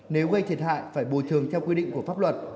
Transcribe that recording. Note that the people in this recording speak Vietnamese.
nếu gây thiệt hại phải bồi thường theo quy định của pháp luật